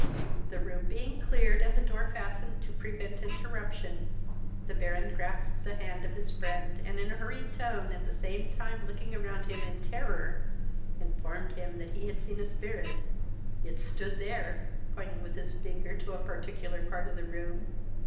The room being cleared, and the door fastened, to prevent interruption, the Baron grasped the hand of his friend, and in a hurried tone, at the same time looking around him in terror, informed him that he had seen a spirit. "It stood there!" pointing with his finger to a particular part of the room.